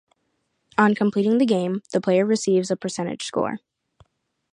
On completing the game, the player receives a percentage score.